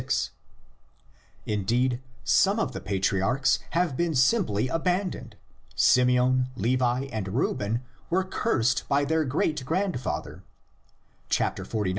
36); indeed some of the patriarchs have been simply abandoned: Simeon, Levi and Reuben were cursed by their great grandfather (xlix.